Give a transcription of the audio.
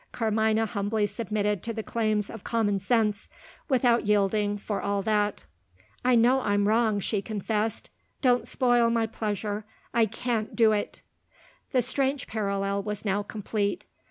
Carmina humbly submitted to the claims of common sense without yielding, for all that. "I know I'm wrong," she confessed. "Don't spoil my pleasure; I can't do it!" The strange parallel was now complete.